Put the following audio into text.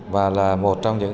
và là một trong những